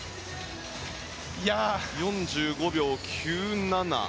４５秒９７。